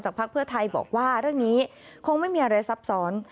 พักเพื่อไทยบอกว่าเรื่องนี้คงไม่มีอะไรซับซ้อน